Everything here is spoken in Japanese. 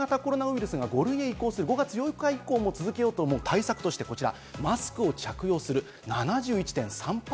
新型コロナウイルスが５類へ移行する５月８日以降も続けようと思う対策として、こちら。